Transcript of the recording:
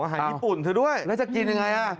อาหารญี่ปุ่นเธอด้วยแล้วจะกินยังไง